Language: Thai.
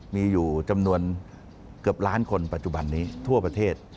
มีอยู่จำนวนเกือบล้านคนปัจจุบันนี้ทั่วประเทศ